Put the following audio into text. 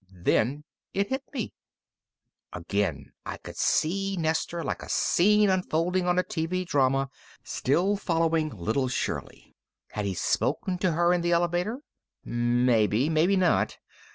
Then it hit me. Again, I could see Nestor, like a scene unfolding on a TV drama, still following little Shirley. Had he spoken to her in the elevator? Maybe. Maybe not.